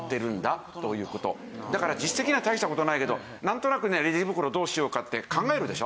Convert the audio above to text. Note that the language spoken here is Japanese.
だから実績は大した事ないけどなんとなくねレジ袋どうしようかって考えるでしょ？